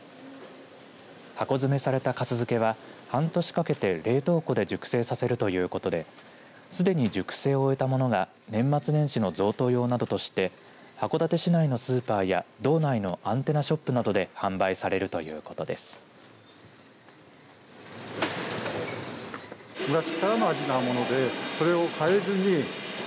箱詰めされたかす漬けは半年かけて冷凍庫で熟成させるということですでに熟成を終えたものが年末年始の贈答用などとして函館市内のスーパーや道内のアンテナショップなどで販売されるということです。